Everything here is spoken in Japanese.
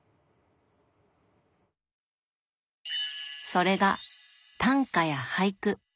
それが短歌や俳句。